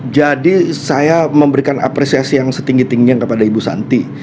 jadi saya memberikan apresiasi yang setinggi tinggi kepada ibu santi